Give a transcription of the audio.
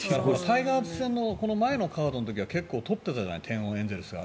タイガース戦の前のところは結構、取ってたじゃない点をエンゼルスが。